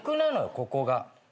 ここが。